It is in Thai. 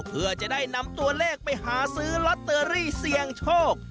เพื่อจะได้นำตัวเลขไปหาซื้อลอตเตอรี่เสี่ยงโชค